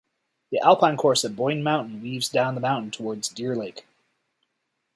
The Alpine course at Boyne Mountain weaves down the mountain towards Deer Lake.